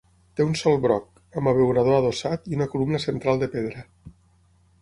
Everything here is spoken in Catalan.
Té un sol broc, amb abeurador adossat i una columna central de pedra.